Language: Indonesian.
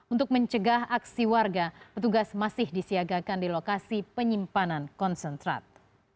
untuk mencegah aksi warga petugas masih disiagakan di lokasi penyimpanan konsentrat